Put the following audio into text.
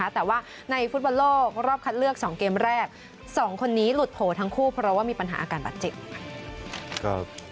แต่ว่าในฟุตบอลโลกรอบคัดเลือก๒เกมแรก๒คนนี้หลุดโผล่ทั้งคู่เพราะว่ามีปัญหาอาการบาดเจ็บค่ะ